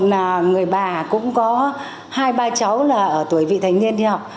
là người bà cũng có hai ba cháu là ở tuổi vị thành niên đi học